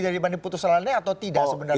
dibanding putusan lainnya atau tidak sebenarnya